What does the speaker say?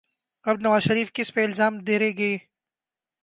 اب نواز شریف کس پہ الزام دھریں گے؟